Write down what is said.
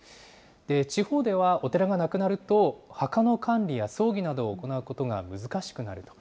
地方ではお寺がなくなると、墓の管理や葬儀などを行うことが難しくなる。